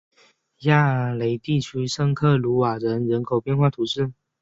雅雷地区圣克鲁瓦人口变化图示